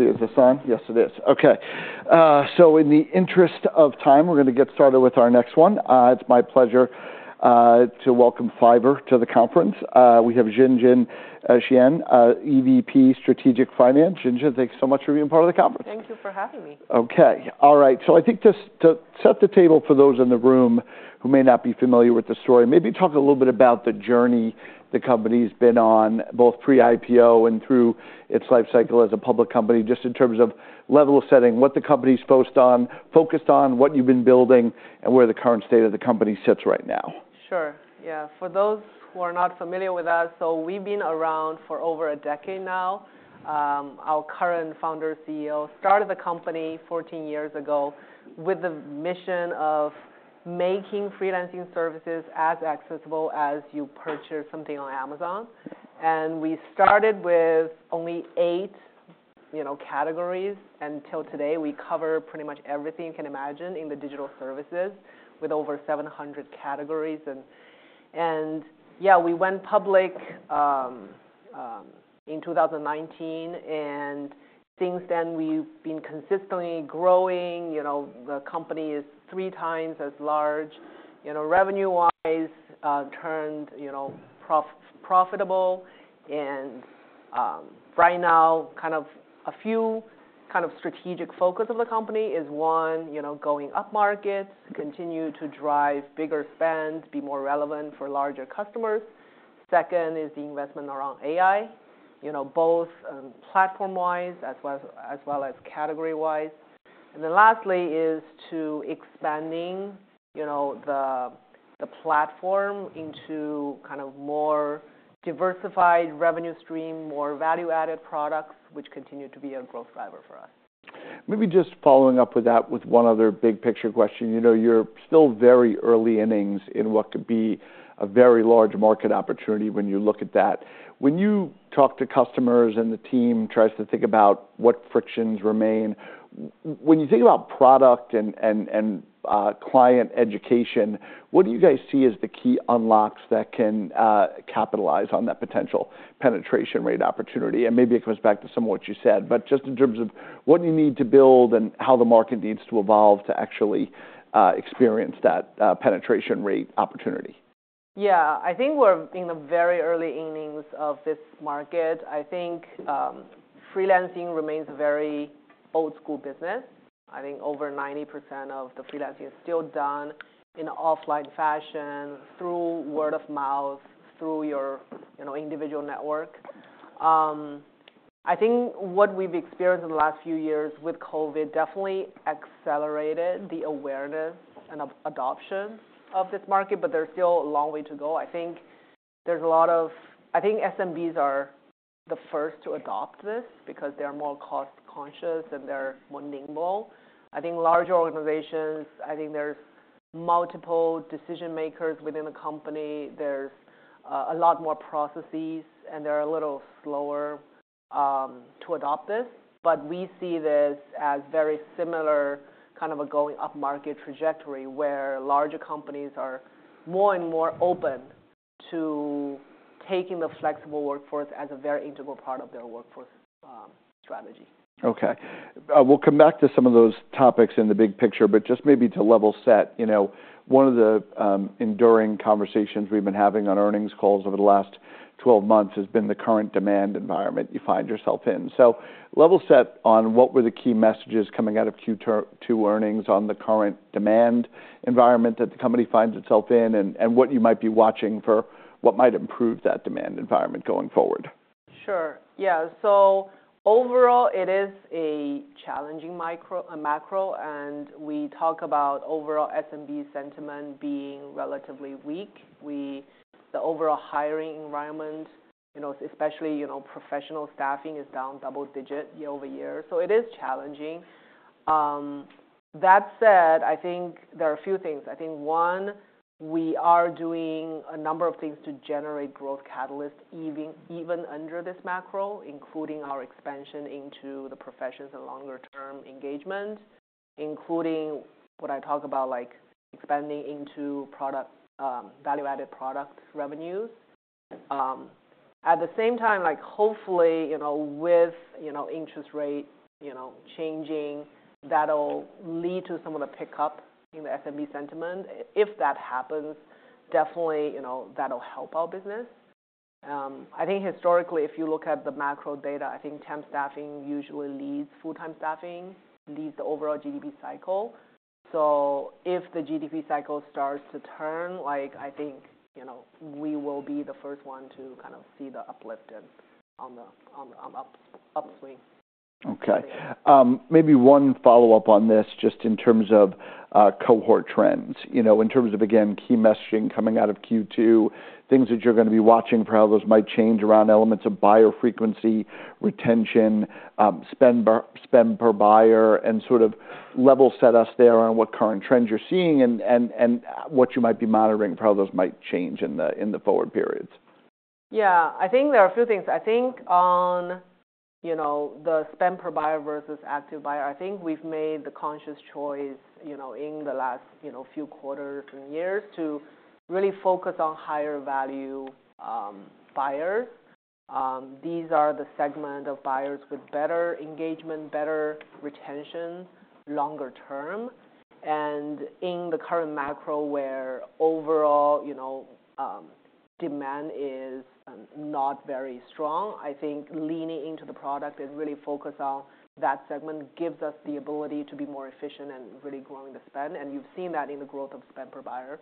All right. Let's see, is this on? Yes, it is. Okay. So in the interest of time, we're gonna get started with our next one. It's my pleasure to welcome Fiverr to the conference. We have Jinjin Qian, EVP Strategic Finance. Jinjin, thanks so much for being part of the conference. Thank you for having me. Okay. All right. So I think just to set the table for those in the room who may not be familiar with the story, maybe talk a little bit about the journey the company's been on, both pre-IPO and through its life cycle as a public company, just in terms of level setting, what the company's focused on, what you've been building, and where the current state of the company sits right now. Sure. Yeah. For those who are not familiar with us, so we've been around for over a decade now. Our current founder, CEO, started the company fourteen years ago with the mission of making freelancing services as accessible as you purchase something on Amazon. And we started with only eight, you know, categories, until today, we cover pretty much everything you can imagine in the digital services with over 700 categories. And, yeah, we went public in 2019, and since then we've been consistently growing. You know, the company is three times as large. You know, revenue-wise, turned profitable. And, right now, kind of a few kind of strategic focus of the company is, one, you know, going upmarket, continue to drive bigger spends, be more relevant for larger customers. Second is the investment around AI, you know, both, platform-wise, as well as category-wise. And then lastly, is to expanding, you know, the platform into kind of more diversified revenue stream, more value-added products, which continue to be a growth driver for us. Maybe just following up with that with one other big-picture question. You know, you're still very early innings in what could be a very large market opportunity when you look at that. When you talk to customers and the team tries to think about what frictions remain, when you think about product and client education, what do you guys see as the key unlocks that can capitalize on that potential penetration rate opportunity? And maybe it comes back to some of what you said, but just in terms of what you need to build and how the market needs to evolve to actually experience that penetration rate opportunity. Yeah. I think we're in the very early innings of this market. I think freelancing remains a very old school business. I think over 90% of the freelancing is still done in an offline fashion, through word of mouth, through your, you know, individual network. I think what we've experienced in the last few years with COVID definitely accelerated the awareness and adoption of this market, but there's still a long way to go. I think there's a lot of... I think SMBs are the first to adopt this because they're more cost-conscious and they're more nimble. I think larger organizations, I think there's multiple decision-makers within the company. There's a lot more processes, and they're a little slower to adopt this. But we see this as very similar, kind of a going upmarket trajectory, where larger companies are more and more open to taking the flexible workforce as a very integral part of their workforce, strategy. Okay. We'll come back to some of those topics in the big picture, but just maybe to level set, you know, one of the enduring conversations we've been having on earnings calls over the last twelve months has been the current demand environment you find yourself in. So level set on what were the key messages coming out of Q2 earnings on the current demand environment that the company finds itself in, and what you might be watching for, what might improve that demand environment going forward? Sure. Yeah. So overall, it is a challenging micro, macro, and we talk about overall SMB sentiment being relatively weak. The overall hiring environment, you know, especially, you know, professional staffing is down double digit year over year, so it is challenging. That said, I think there are a few things. I think, one, we are doing a number of things to generate growth catalysts, even, even under this macro, including our expansion into the professions and longer-term engagement, including what I talk about, like expanding into product, value-added product revenues. At the same time, like, hopefully, you know, with, you know, interest rates, you know, changing, that'll lead to some of the pickup in the SMB sentiment. If that happens, definitely, you know, that'll help our business. I think historically, if you look at the macro data, I think temp staffing usually leads full-time staffing, leads the overall GDP cycle. So if the GDP cycle starts to turn, like, I think, you know, we will be the first one to kind of see the uplifted on the upswing. Okay. Maybe one follow-up on this, just in terms of, cohort trends. You know, in terms of, again, key messaging coming out of Q2, things that you're gonna be watching for how those might change around elements of buyer frequency, retention, spend per buyer, and sort of level set us there on what current trends you're seeing and what you might be monitoring for how those might change in the forward periods? Yeah, I think there are a few things. I think on, you know, the spend per buyer versus active buyer, I think we've made the conscious choice, you know, in the last, you know, few quarters and years to really focus on higher value buyer. These are the segment of buyers with better engagement, better retention, longer term. And in the current macro, where overall, you know, demand is not very strong, I think leaning into the product and really focus on that segment gives us the ability to be more efficient and really growing the spend. And you've seen that in the growth of spend per buyer,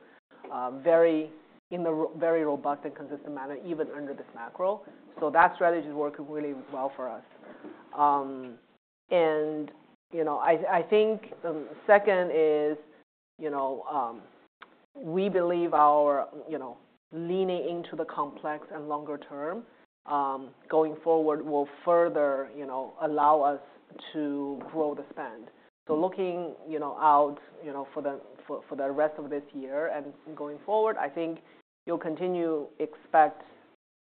very robust and consistent manner, even under this macro. So that strategy is working really well for us. And, you know, I think the second is, you know, we believe our leaning into the complex and longer term going forward will further, you know, allow us to grow the spend. So looking, you know, out, you know, for the rest of this year and going forward, I think you'll continue expect,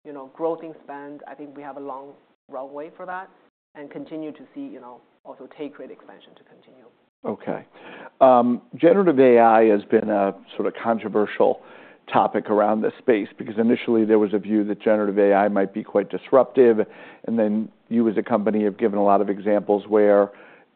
you know, growth in spend. I think we have a long runway for that, and continue to see, you know, also take rate expansion to continue. Okay. Generative AI has been a sort of controversial topic around this space, because initially there was a view that generative AI might be quite disruptive. And then you, as a company, have given a lot of examples where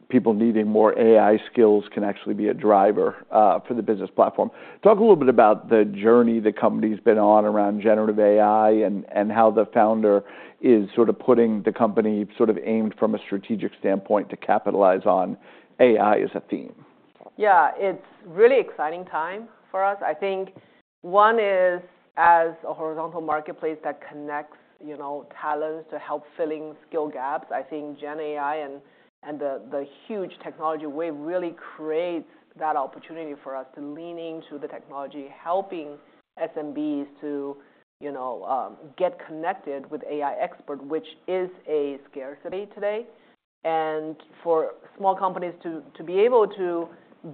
people needing more AI skills can actually be a driver for the business platform. Talk a little bit about the journey the company's been on around generative AI, and how the founder is sort of putting the company sort of aimed from a strategic standpoint to capitalize on AI as a theme. Yeah, it's really exciting time for us. I think one is, as a horizontal marketplace that connects, you know, talents to help filling skill gaps, I think Gen AI and the huge technology wave really creates that opportunity for us to lean into the technology, helping SMBs to, you know, get connected with AI expert, which is a scarcity today. And for small companies to be able to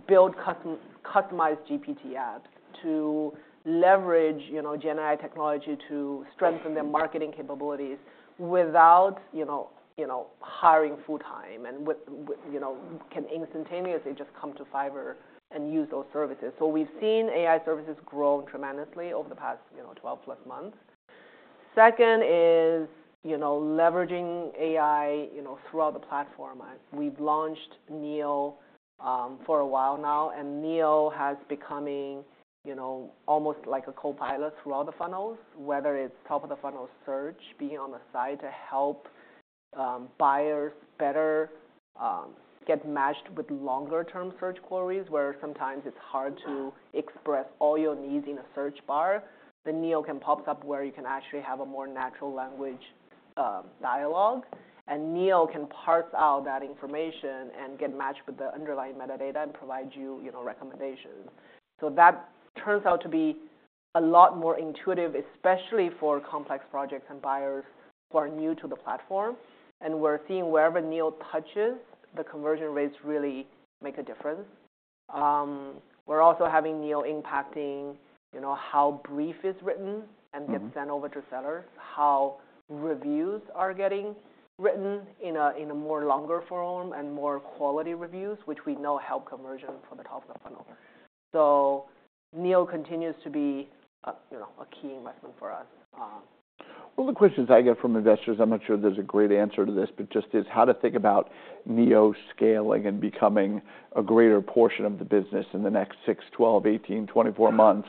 build customized GPT apps, to leverage, you know, Gen AI technology to strengthen their marketing capabilities without, you know, hiring full time, and with, you know, can instantaneously just come to Fiverr and use those services. So we've seen AI services grow tremendously over the past, you know, twelve plus months. Second is, you know, leveraging AI, you know, throughout the platform. We've launched Neo for a while now, and Neo has become, you know, almost like a copilot throughout the funnels. Whether it's top of the funnel search, being on the side to help buyers better get matched with longer term search queries, where sometimes it's hard to express all your needs in a search bar. Then Neo can pop up, where you can actually have a more natural language dialogue, and Neo can parse out that information and get matched with the underlying metadata and provide you, you know, recommendations. So that turns out to be a lot more intuitive, especially for complex projects and buyers who are new to the platform. We're seeing wherever Neo touches, the conversion rates really make a difference. We're also having Neo impacting, you know, how brief is written and get sent over to sellers, how reviews are getting written in a more longer form and more quality reviews, which we know help conversion for the top of the funnel. So Neo continues to be a, you know, a key investment for us. The questions I get from investors, I'm not sure there's a great answer to this, but just is how to think about Neo scaling and becoming a greater portion of the business in the next six, twelve, eighteen, twenty-four months.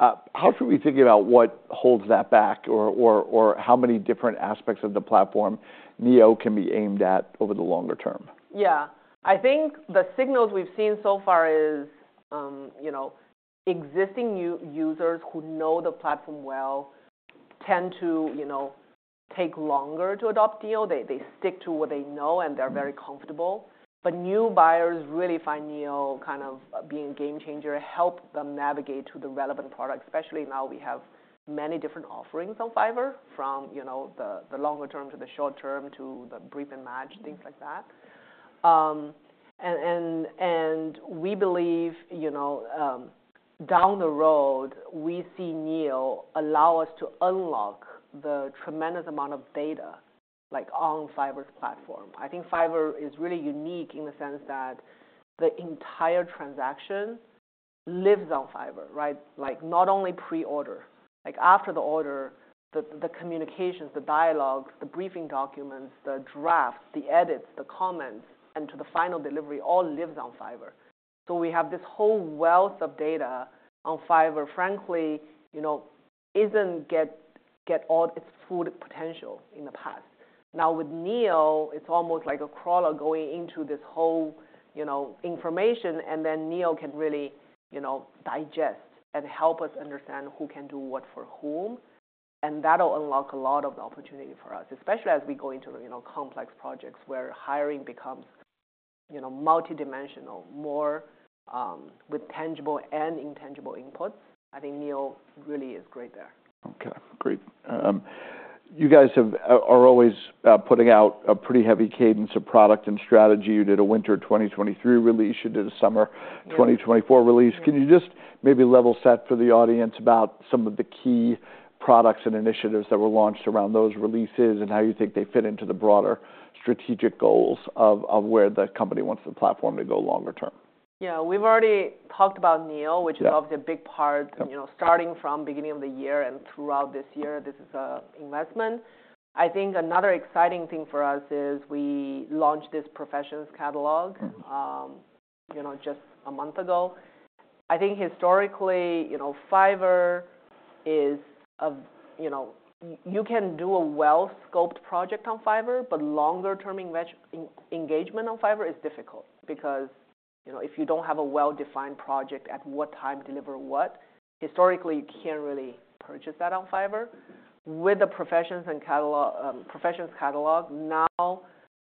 How should we think about what holds that back, or how many different aspects of the platform Neo can be aimed at over the longer term? Yeah. I think the signals we've seen so far is, you know, existing users who know the platform well tend to, you know, take longer to adopt Neo. They, they stick to what they know, and they're very comfortable. But new buyers really find Neo kind of being a game changer, help them navigate to the relevant product, especially now we have many different offerings on Fiverr from, you know, the longer term to the short term, to the Brief and Match, things like that. And we believe, you know, down the road, we see Neo allow us to unlock the tremendous amount of data, like, on Fiverr's platform. I think Fiverr is really unique in the sense that the entire transaction lives on Fiverr, right? Like, not only pre-order, like, after the order, the communications, the dialogues, the briefing documents, the drafts, the edits, the comments, and to the final delivery all lives on Fiverr. So we have this whole wealth of data on Fiverr, frankly, you know, didn't get all its full potential in the past. Now, with Neo, it's almost like a crawler going into this whole, you know, information, and then Neo can really, you know, digest and help us understand who can do what for whom, and that'll unlock a lot of the opportunity for us, especially as we go into the, you know, complex projects where hiring becomes, you know, multidimensional, more, with tangible and intangible inputs. I think Neo really is great there. Okay, great. You guys are always putting out a pretty heavy cadence of product and strategy. You did a winter 2023 release. You did a summer 2024 release. Can you just maybe level set for the audience about some of the key products and initiatives that were launched around those releases, and how you think they fit into the broader strategic goals of, of where the company wants the platform to go longer term? Yeah, we've already talked about Neo, which is obviously a big part, you know, starting from beginning of the year and throughout this year, this is a investment. I think another exciting thing for us is we launched this Professions Catalog, you know, just a month ago. I think historically, you know, Fiverr is a-- you know, you can do a well-scoped project on Fiverr, but longer term engagement on Fiverr is difficult because, you know, if you don't have a well-defined project at what time, deliver what, historically, you can't really purchase that on Fiverr. With the Professions Catalog now,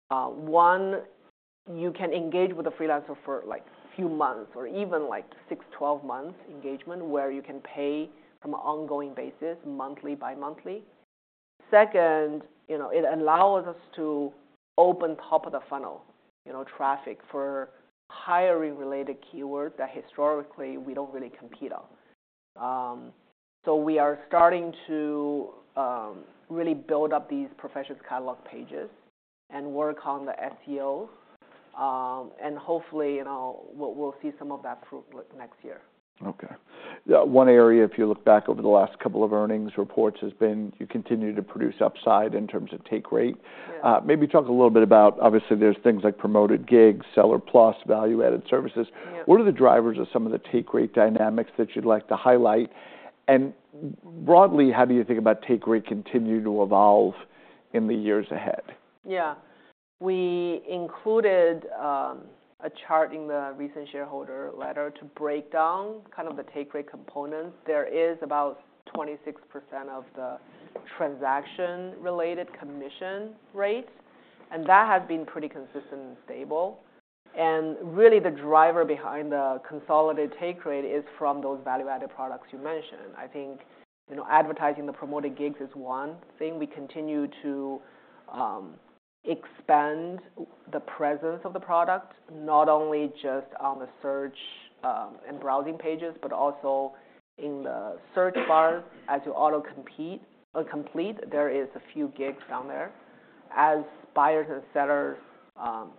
one, you can engage with a freelancer for, like, few months or even, like, six, twelve months engagement, where you can pay on an ongoing basis, monthly, bimonthly. Second, you know, it allows us to open top of the funnel, you know, traffic for hiring related keywords that historically we don't really compete on. So we are starting to really build up these professions catalog pages and work on the SEOs, and hopefully, you know, we'll see some of that fruit next year. Okay. Yeah, one area, if you look back over the last couple of earnings reports, has been you continue to produce upside in terms of take rate. Maybe talk a little bit about, obviously, there's things like Promoted Gigs, Seller Plus, value-added services. What are the drivers of some of the take rate dynamics that you'd like to highlight? And broadly, how do you think about take rate continuing to evolve in the years ahead? Yeah. We included a chart in the recent shareholder letter to break down kind of the take rate components. There is about 26% of the transaction-related commission rate, and that has been pretty consistent and stable. And really, the driver behind the consolidated take rate is from those value-added products you mentioned. I think, you know, advertising the Promoted Gigs is one thing. We continue to expand the presence of the product, not only just on the search and browsing pages, but also in the search bar. As you autocomplete, there is a few gigs down there. As buyers and sellers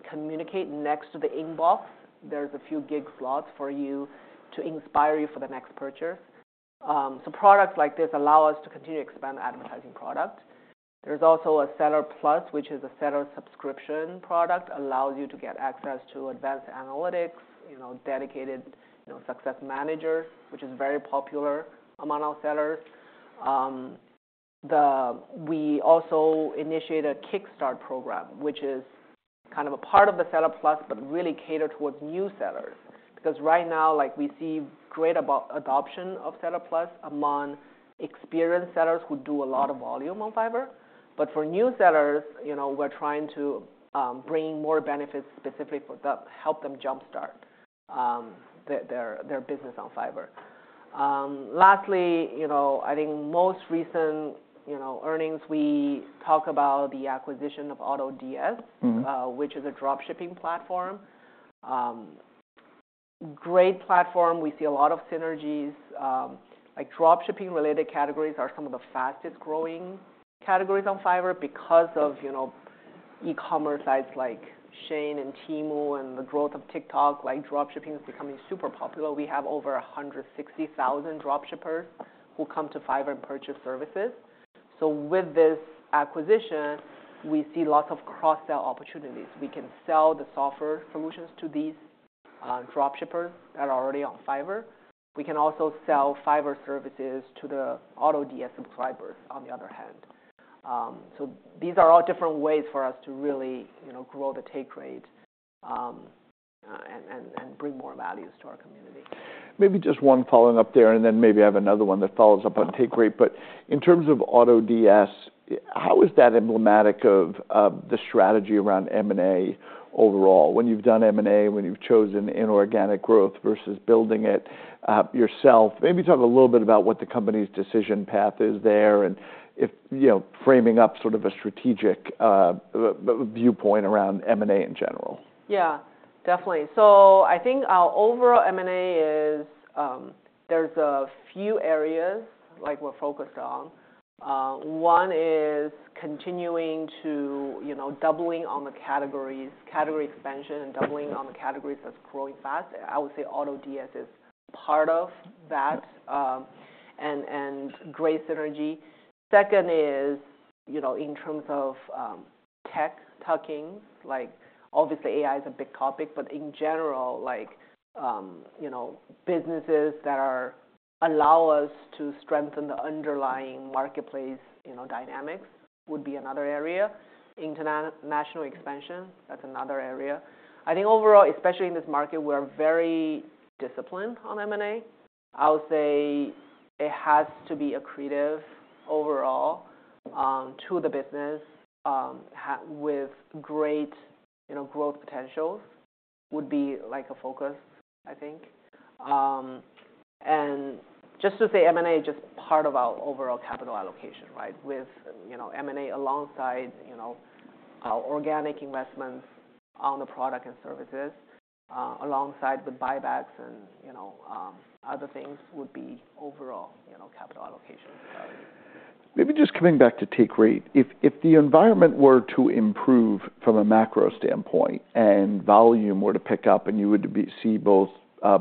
communicate next to the inbox, there's a few gig slots for you to inspire you for the next purchase. So products like this allow us to continue to expand the advertising product. There's also a Seller Plus, which is a seller subscription product, allows you to get access to advanced analytics, you know, dedicated, you know, success managers, which is very popular among our sellers. We also initiate a Kickstart program, which is kind of a part of the Seller Plus, but really catered towards new sellers. Because right now, like, we see great adoption of Seller Plus among experienced sellers who do a lot of volume on Fiverr. But for new sellers, you know, we're trying to bring more benefits specifically for them, help them jump-start their business on Fiverr. Lastly, you know, I think most recent, you know, earnings, we talk about the acquisition of AutoDS which is a dropshipping platform. Great platform. We see a lot of synergies. Like, dropshipping-related categories are some of the fastest growing categories on Fiverr because of, you know, e-commerce sites like Shein and Temu and the growth of TikTok. Like, dropshipping is becoming super popular. We have over 160,000 dropshippers who come to Fiverr and purchase services. So with this acquisition, we see lots of cross-sell opportunities. We can sell the software solutions to these dropshippers that are already on Fiverr. We can also sell Fiverr services to the AutoDS subscribers, on the other hand. So these are all different ways for us to really, you know, grow the take rate and bring more values to our community. Maybe just one following up there, and then maybe I have another one that follows up on take rate. But in terms of AutoDS, how is that emblematic of, the strategy around M&A overall? When you've done M&A, when you've chosen inorganic growth versus building it, yourself. Maybe talk a little bit about what the company's decision path is there and if, you know, framing up sort of a strategic, viewpoint around M&A in general. Yeah, definitely. So I think our overall M&A is, there's a few areas, like, we're focused on. One is continuing to, you know, doubling on the categories, category expansion and doubling on the categories that's growing fast. I would say AutoDS is part of that, and great synergy. Second is, you know, in terms of, tech tuck-ins, like, obviously, AI is a big topic, but in general, like, you know, businesses that are allow us to strengthen the underlying marketplace, you know, dynamics would be another area. International expansion, that's another area. I think overall, especially in this market, we're very disciplined on M&A. I would say it has to be accretive overall, to the business, with great, you know, growth potential would be, like, a focus, I think. And just to say M&A, just part of our overall capital allocation, right? With, you know, M&A alongside, you know, our organic investments on the product and services, alongside the buybacks and, you know, other things would be overall, you know, capital allocation priority. Maybe just coming back to take rate. If the environment were to improve from a macro standpoint, and volume were to pick up, and you were to see both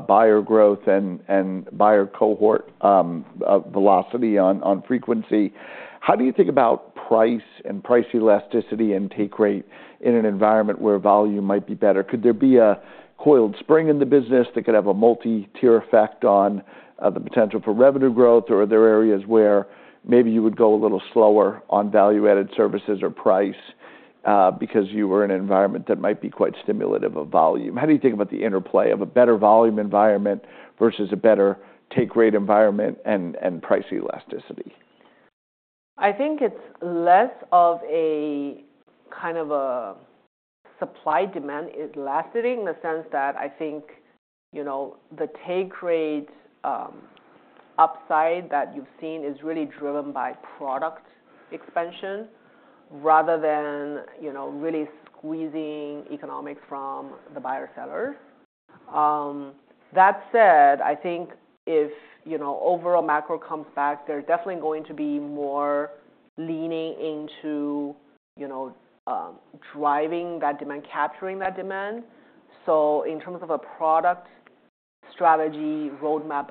buyer growth and buyer cohort velocity on frequency, how do you think about price and price elasticity and take rate in an environment where volume might be better? Could there be a coiled spring in the business that could have a multi-tier effect on the potential for revenue growth? Or are there areas where maybe you would go a little slower on value-added services or price because you were in an environment that might be quite stimulative of volume? How do you think about the interplay of a better volume environment versus a better take rate environment and price elasticity? I think it's less of a kind of a supply-demand elasticity, in the sense that I think, you know, the take rate upside that you've seen is really driven by product expansion rather than, you know, really squeezing economics from the buyer-seller. That said, I think if, you know, overall macro comes back, they're definitely going to be more leaning into, you know, driving that demand, capturing that demand. So in terms of a product strategy, roadmap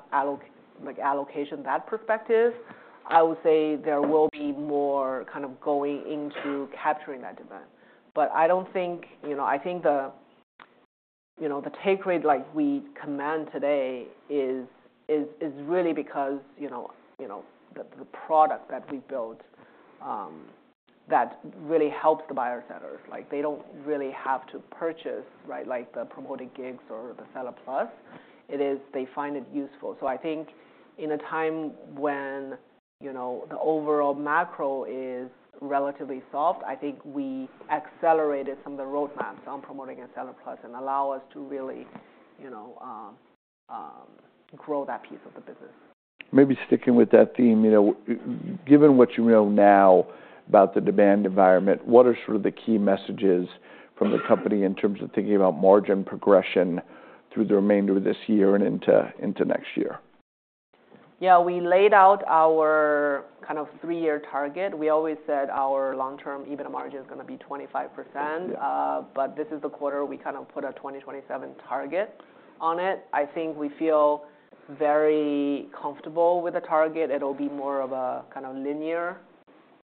allocation, that perspective, I would say there will be more kind of going into capturing that demand. But I don't think. You know, I think the, you know, the take rate like we command today is really because, you know, you know, the, the product that we built that really helps the buyer-sellers. Like, they don't really have to purchase, right, like the Promoted Gigs or the Seller Plus. It is, they find it useful. So I think in a time when, you know, the overall macro is relatively soft, I think we accelerated some of the roadmaps on promoting a Seller Plus and allow us to really, you know, grow that piece of the business. Maybe sticking with that theme, you know, given what you know now about the demand environment, what are sort of the key messages from the company in terms of thinking about margin progression through the remainder of this year and into next year? Yeah, we laid out our kind of three-year target. We always said our long-term EBITDA margin is gonna be 25%. But this is the quarter we kind of put a 2027 target on it. I think we feel very comfortable with the target. It'll be more of a kind of linear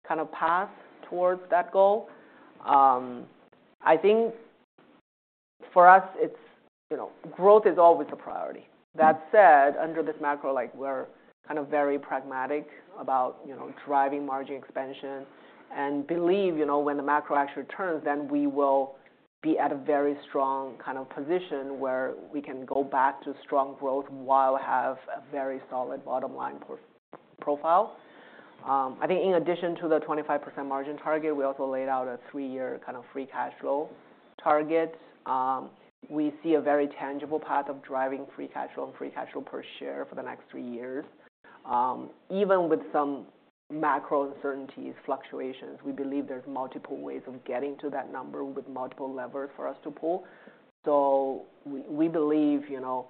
kind of path towards that goal. I think for us, it's, you know, growth is always a priority. That said, under this macro, like, we're kind of very pragmatic about, you know, driving margin expansion and believe, you know, when the macro actually turns, then we will be at a very strong kind of position where we can go back to strong growth while have a very solid bottom-line profile. I think in addition to the 25% margin target, we also laid out a three-year kind of free cash flow target. We see a very tangible path of driving free cash flow and free cash flow per share for the next three years. Even with some macro uncertainties, fluctuations, we believe there's multiple ways of getting to that number with multiple levers for us to pull. So we believe, you know,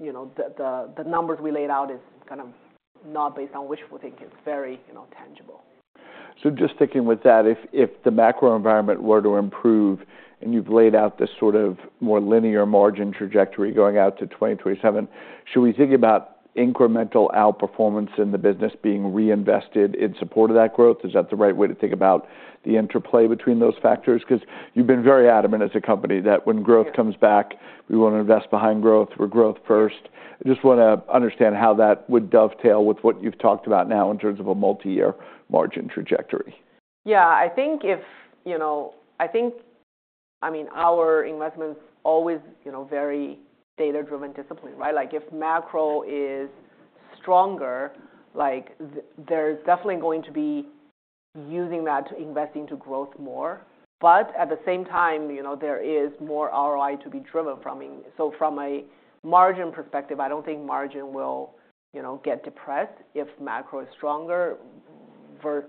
you know, the numbers we laid out is kind of not based on wishful thinking. It's very, you know, tangible. So just sticking with that, if the macro environment were to improve, and you've laid out this sort of more linear margin trajectory going out to 2027, should we think about incremental outperformance in the business being reinvested in support of that growth? Is that the right way to think about the interplay between those factors? 'Cause you've been very adamant as a company that when growth comes back, we want to invest behind growth. We're growth first. I just wanna understand how that would dovetail with what you've talked about now in terms of a multiyear margin trajectory. Yeah, I think if, you know... I think, I mean, our investment's always, you know, very data-driven discipline, right? Like, if macro is stronger, like, there's definitely going to be using that to investing to growth more. But at the same time, you know, there is more ROI to be driven from in. So from a margin perspective, I don't think margin will, you know, get depressed if macro is stronger.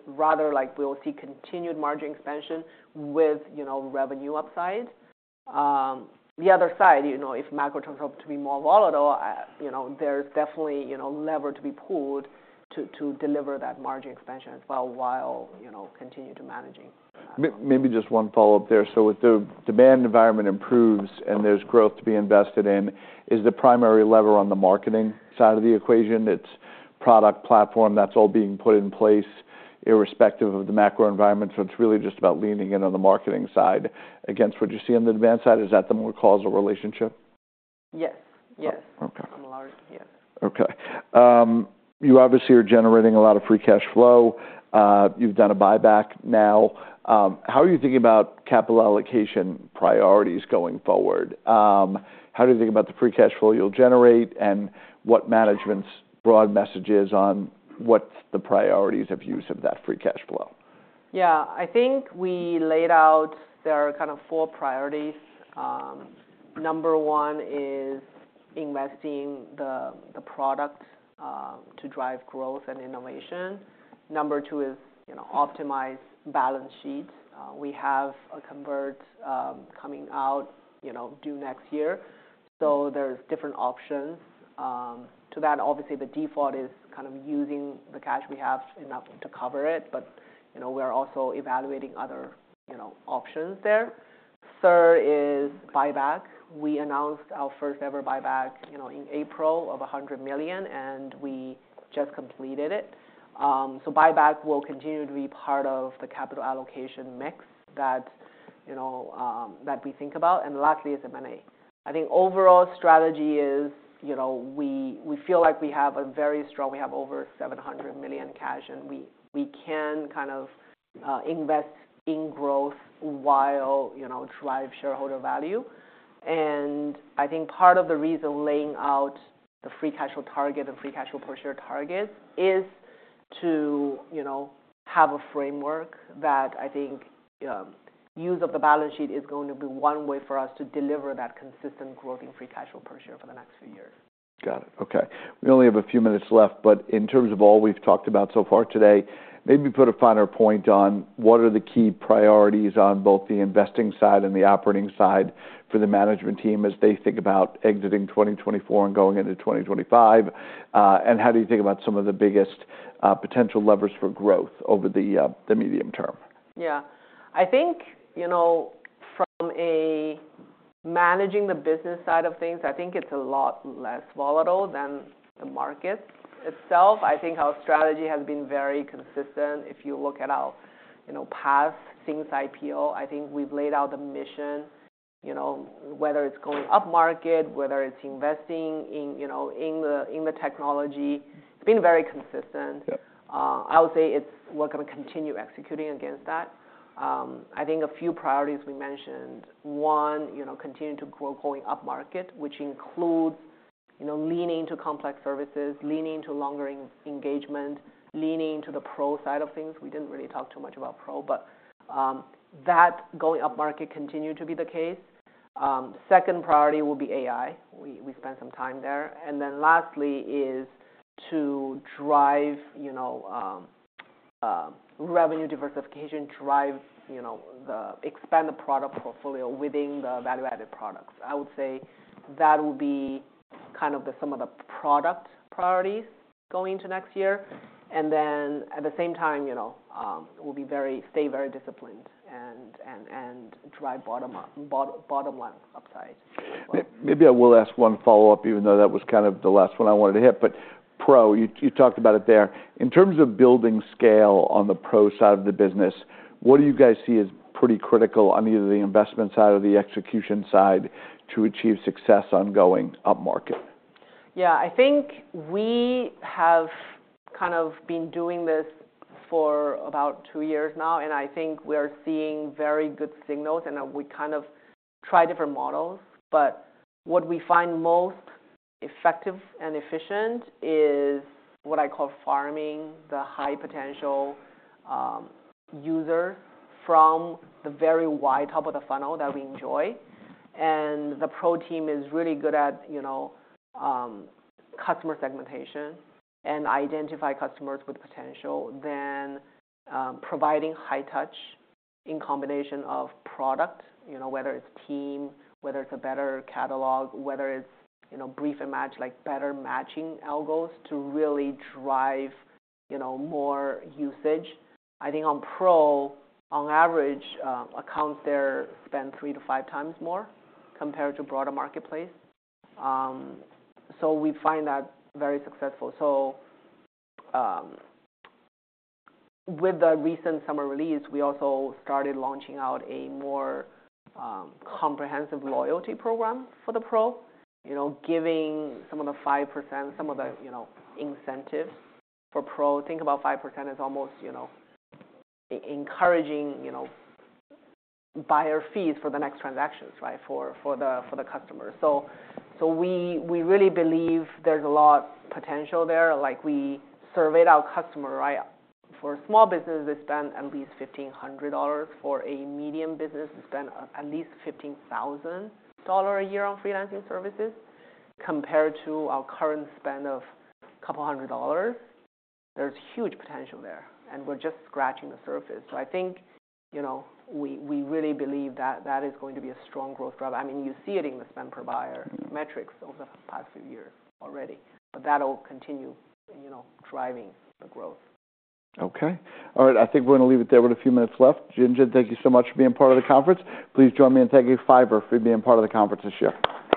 Rather, like, we'll see continued margin expansion with, you know, revenue upside. The other side, you know, if macro turns out to be more volatile, you know, there's definitely, you know, lever to be pulled to deliver that margin expansion as well, while, you know, continue to managing. Maybe just one follow-up there. So if the demand environment improves and there's growth to be invested in, is the primary lever on the marketing side of the equation? It's product platform that's all being put in place, irrespective of the macro environment, so it's really just about leaning in on the marketing side against what you see on the demand side. Is that the more causal relationship? Yes. Okay. And largely, yes. Okay. You obviously are generating a lot of free cash flow. You've done a buyback now. How are you thinking about capital allocation priorities going forward? How do you think about the free cash flow you'll generate, and what management's broad message is on what's the priorities of use of that free cash flow? Yeah. I think we laid out, there are kind of four priorities. Number one is investing the product to drive growth and innovation. Number two is, you know, optimize balance sheets. We have a convert coming out, you know, due next year, so there's different options. To that, obviously, the default is kind of using the cash we have enough to cover it, but, you know, we are also evaluating other, you know, options there. Third is buyback. We announced our first-ever buyback, you know, in April of $100 million, and we just completed it. So buyback will continue to be part of the capital allocation mix that, you know, that we think about. And lastly is M&A. I think overall strategy is, you know, we feel like we have a very strong. We have over $700 million cash, and we can kind of invest in growth while, you know, drive shareholder value. And I think part of the reason laying out the free cash flow target and free cash flow per share target is to, you know, have a framework that I think use of the balance sheet is going to be one way for us to deliver that consistent growth in free cash flow per share for the next few years. Got it. Okay. We only have a few minutes left, but in terms of all we've talked about so far today, maybe put a finer point on what are the key priorities on both the investing side and the operating side for the management team as they think about exiting twenty twenty-four and going into twenty twenty-five? And how do you think about some of the biggest potential levers for growth over the medium term? Yeah. I think, you know, from a managing the business side of things, I think it's a lot less volatile than the market itself. I think our strategy has been very consistent. If you look at our, you know, past since IPO, I think we've laid out the mission, you know, whether it's going upmarket, whether it's investing in, you know, in the, in the technology, it's been very consistent. I would say we're gonna continue executing against that. I think a few priorities we mentioned: one, you know, continue to grow going upmarket, which includes, you know, leaning to complex services, leaning to longer engagement, leaning to the Pro side of things. We didn't really talk too much about Pro, but that going upmarket continued to be the case. Second priority will be AI. We spent some time there. And then lastly is to drive, you know, revenue diversification, you know, the expansion of the product portfolio within the value-added products. I would say that will be kind of some of the product priorities going into next year. And then at the same time, you know, we'll stay very disciplined and drive bottom-up bottom-line upside as well. Maybe I will ask one follow-up, even though that was kind of the last one I wanted to hit. But Pro, you talked about it there. In terms of building scale on the Pro side of the business, what do you guys see as pretty critical on either the investment side or the execution side to achieve success on going upmarket? Yeah, I think we have kind of been doing this for about two years now, and I think we are seeing very good signals, and we kind of try different models. But what we find most effective and efficient is what I call farming the high-potential user from the very wide top of the funnel that we enjoy, and the Pro team is really good at, you know, customer segmentation and identify customers with potential, then providing high touch in combination of product, you know, whether it's team, whether it's a better catalog, whether it's, you know, Brief and Match, like, better matching algos to really drive, you know, more usage. I think on Pro, on average, accounts there spend three to five times more compared to broader marketplace, so we find that very successful. So, with the recent summer release, we also started launching out a more comprehensive loyalty program for the Pro. You know, giving some of the 5%, some of the, you know, incentives for Pro. Think about 5% as almost, you know, encouraging, you know, buyer fees for the next transactions, right, for the customer. So we really believe there's a lot potential there. Like, we surveyed our customer, right? For a small business, they spend at least $1,500. For a medium business, they spend at least $15,000 a year on freelancing services. Compared to our current spend of $200, there's huge potential there, and we're just scratching the surface. So I think, you know, we really believe that is going to be a strong growth driver. I mean, you see it in the spend per buyer metrics over the past few years already, but that'll continue, you know, driving the growth. Okay. All right, I think we're gonna leave it there with a few minutes left. Jinjin Qian, thank you so much for being part of the conference. Please join me in thanking Fiverr for being part of the conference this year. Thanks, guys. Thank you, Eric.